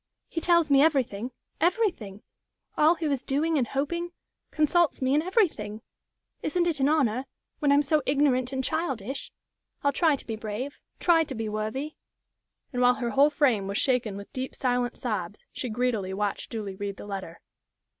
"He tells me everything everything! All he was doing and hoping consults me in everything. Isn't it an honor when I'm so ignorant and childish? I'll try to be brave try to be worthy " And while her whole frame was shaken with deep, silent sobs, she greedily watched Julie read the letter.